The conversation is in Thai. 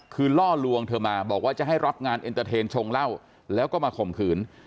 คือล่อลวงเธอมาบอกว่าจะให้รับงานชงเล่าแล้วก็มาข่มขืน